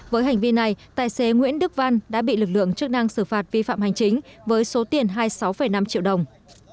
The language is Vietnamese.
với hành vi này tài xế nguyễn đức văn đã bị lực lượng chức năng xử phạt vi phạm hành chính với số tiền hai mươi sáu năm triệu đồng